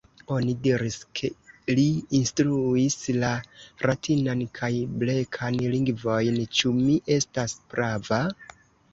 Oni diris ke li instruis la Ratinan kaj Blekan lingvojn. Ĉu mi estas prava?